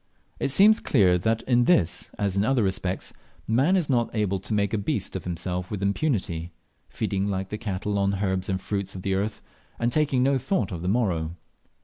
It seems clear that in this, as in other respects, man is not able to make a beast of himself with impunity, feeding like the cattle on the herbs and fruits of the earth, and taking no thought of the morrow.